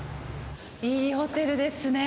いいホテルですねぇ